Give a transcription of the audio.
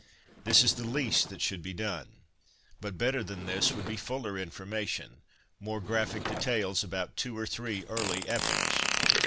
This is the least that should be done ; but better than this would be fuller information, more graphic details about two or three early epochs.